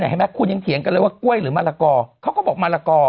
เห็นไหมคุณยังเถียงกันเลยว่ากล้วยหรือมะละกอเขาก็บอกมะละกอ